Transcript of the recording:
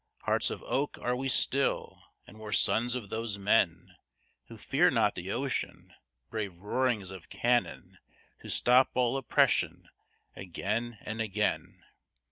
"Hearts of Oak are we still, and we're sons of those men Who fear not the ocean, brave roarings of cannon, To stop all oppression, again and again."